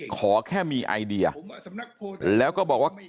ขอแค่มีไอเดียแล้วก็บอกว่า